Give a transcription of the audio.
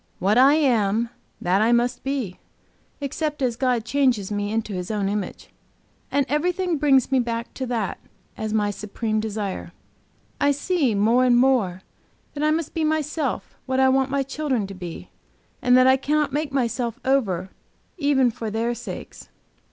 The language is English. What I am, that I must be, except as God changes me into His own image. And everything brings me back to that, as my supreme desire. I see more and more that I must be myself what I want my children to be, and that I cannot make myself over even for their sakes.